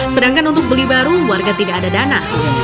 sedangkan untuk beli baru warga tidak ada dana